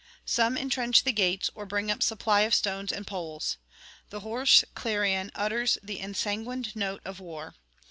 Some entrench the gates, or bring up supply of stones and poles. The hoarse clarion utters the ensanguined note of war.